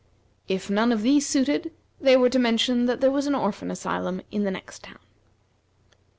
If none of these suited, they were to mention that there was an orphan asylum in the next town.